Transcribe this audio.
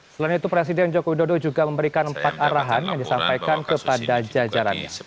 selain itu presiden joko widodo juga memberikan empat arahan yang disampaikan kepada jajarannya